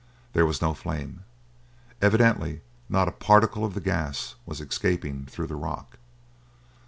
There was no flame. Evidently not a particle of gas was escaping through the rock.